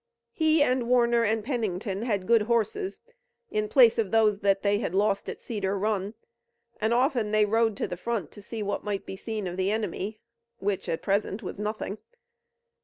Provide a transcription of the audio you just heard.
He and Warner and Pennington had good horses, in place of those that they had lost at Cedar Run, and often they rode to the front to see what might be seen of the enemy, which at present was nothing.